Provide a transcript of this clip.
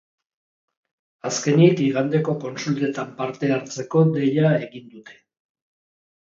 Azkenik, igandeko kontsultetan parte hartzeko deia egin dute.